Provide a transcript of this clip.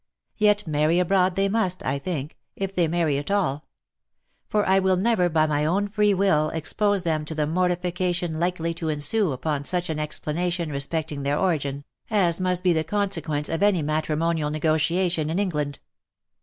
Yet marry abroad they must, I think, if they marry at all — for I will never by my own free will expose them to the mortification likely to ensue upon such an explanation respect ing their origin, as must be the consequence of any matrimonial nego tiation in England.